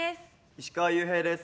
石川裕平です。